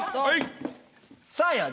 はい！